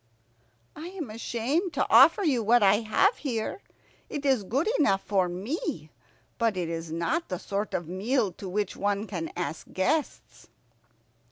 "I am ashamed to offer you what I have here. It is good enough for me, but it is not the sort of meal to which one can ask guests."